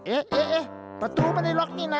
เอ๊ะประตูไม่ได้ล็อกนี่นะ